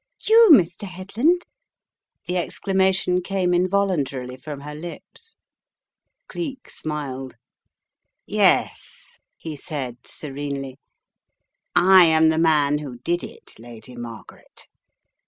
" You, Mr. Headland? " The exclamation came in voluntarily from her lips. Cleek smiled. "Yes," he said, serenely. "I am the man who did it, Lady Margaret.